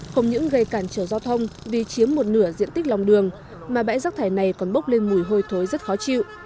không những gây cản trở giao thông vì chiếm một nửa diện tích lòng đường mà bãi rác thải này còn bốc lên mùi hôi thối rất khó chịu